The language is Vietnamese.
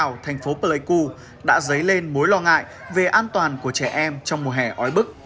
hồ yia hung thuộc xã gào tp hcm đã giấy lên mối lo ngại về an toàn của trẻ em trong mùa hè ói bức